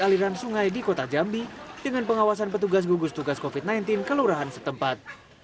aliran sungai di kota jambi dengan pengawasan petugas gugus tugas covid sembilan belas kelurahan setempat